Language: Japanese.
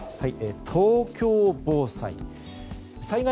東京防災。